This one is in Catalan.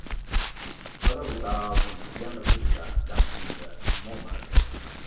Va derrotar al principiant republicà Dan Frisa amb molt marge.